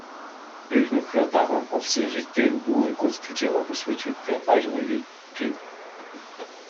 "Эр нөхрөө даган улсын хил дээр үүрэг гүйцэтгэж яваа бүсгүйчүүддээ баяр хүргэе" гэв.